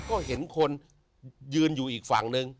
ก็เห็นคนยืนอยู่อีกฝั่งนึง